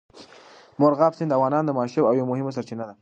مورغاب سیند د افغانانو د معیشت یوه مهمه سرچینه ده.